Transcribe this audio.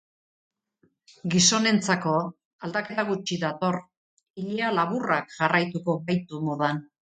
Gizonentzako aldaketa gutxi dator, ilea laburrak jarraituko baitu modan.